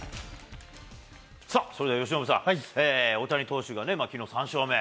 それでは由伸さん、大谷投手がきのう、３勝目。